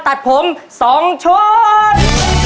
ตัดผม๒ชุด